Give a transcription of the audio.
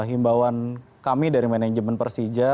himbauan kami dari manajemen persija